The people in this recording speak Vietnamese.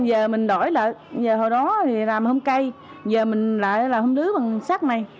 giờ mình đổi lại giờ hồi đó làm hôm cây giờ mình lại làm hôm đứa bằng sắt này